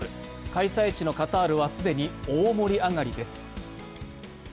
開催地のカタールは既に大盛り上がりです。